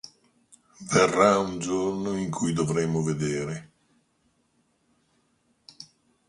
Verrà un giorno in cui dovremo vedere...